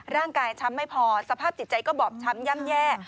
ช้ำไม่พอสภาพจิตใจก็บอบช้ำย่ำแย่